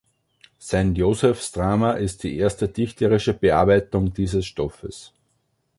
Sein Josephs-Drama ist die erste dichterische Bearbeitung dieses Stoffes.